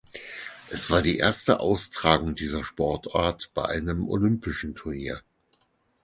Es war die erste Austragung dieser Sportart bei einem Olympischen Turnier.